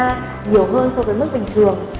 nhiều hơn so với mức bình thường